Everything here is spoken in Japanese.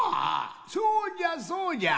そうじゃそうじゃ！